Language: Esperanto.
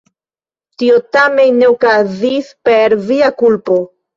Tio tamen ne okazis per via kulpo?